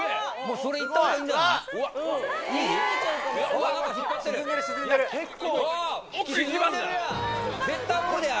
それいった方がいいんじゃない？